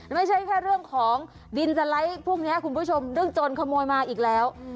ไม่ใช่แค่เรื่องของดินสไลด์พวกนี้คุณผู้ชมเรื่องโจรขโมยมาอีกแล้ว